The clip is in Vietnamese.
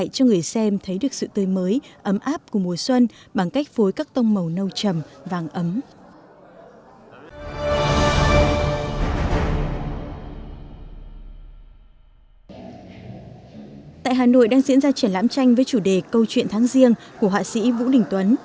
tại hà nội đang diễn ra triển lãm tranh với chủ đề câu chuyện tháng riêng của họa sĩ vũ đình tuấn